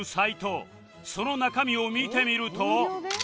その中身を見てみると